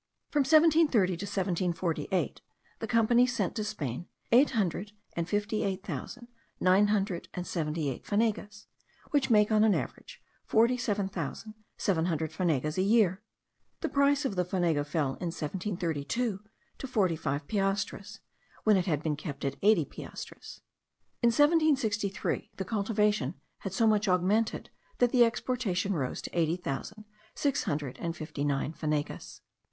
From 1730 to 1748, the company sent to Spain eight hundred and fifty eight thousand nine hundred and seventy eight fanegas, which make, on an average, forty seven thousand seven hundred fanegas a year; the price of the fanega fell, in 1732, to forty five piastres, when it had before kept at eighty piastres. In 1763 the cultivation had so much augmented, that the exportation rose to eighty thousand six hundred and fifty nine fanegas.